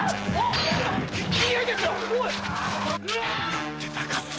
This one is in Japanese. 寄ってたかって。